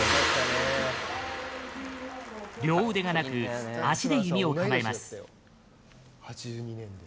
両腕がなく、足で弓を構えます。